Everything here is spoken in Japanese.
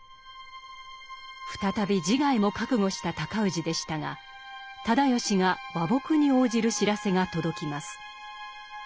再び自害も覚悟した尊氏でしたが直義が和睦に応じる知らせが届きます。